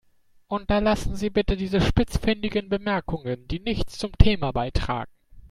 Unterlassen Sie bitte diese spitzfindigen Bemerkungen, die nichts zum Thema beitragen.